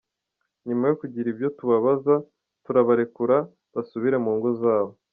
Nyuma yo kugira ibyo tubabaza turabarekura basubire mu ngo zabo".